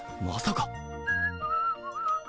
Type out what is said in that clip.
まさか